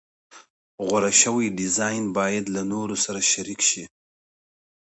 غوره شوی ډیزاین باید له نورو سره شریک شي.